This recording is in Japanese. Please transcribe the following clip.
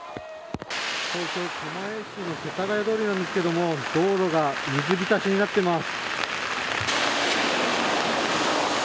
狛江市の世田谷通りなんですけど道路が水浸しになっています。